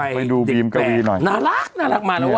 ไปดูบีมกะวีหน่อยน่ารักน่ารักมาแล้วนะครับ